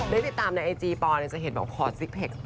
ได้ติดตามในไอจีปอลจะเห็นบอกขอซิกแพค